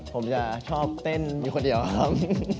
ผมจะชอบเต้นอยู่คนเดียวครับ